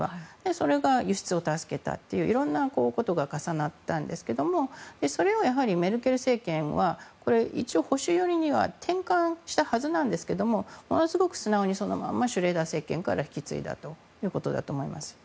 それが輸出を助けたという色んなことが重なったんですがそれをやはりメルケル政権は一応、保守寄りには転換したはずなんですけどもものすごく素直にそのままシュレーダー政権から引き継いだということだと思います。